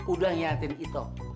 udah ngihatin itu